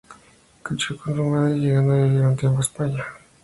Creció con su madre, llegando a vivir un tiempo en España.